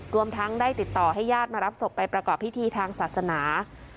รวมทั้งได้ติดต่อให้ญาติมารับศพไปประกอบพิธีทางศาสนา